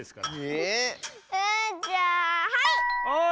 えじゃあはい！